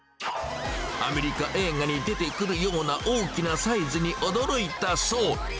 アメリカ映画に出てくるような大きなサイズに驚いたそう。